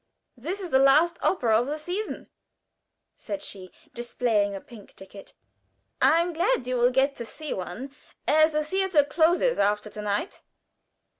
"This is the last opera of the season," said she, displaying a pink ticket. "I am glad you will get to see one, as the theater closes after to night."